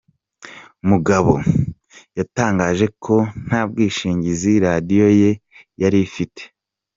Mugabo yatangaje ko nta bwishingizi radiyo ye yari ifite.